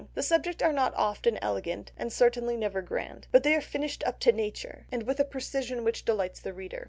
The subjects are not often elegant and certainly never grand; but they are finished up to nature, and with a precision which delights the reader."